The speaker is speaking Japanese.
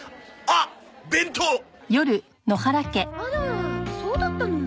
あらそうだったの。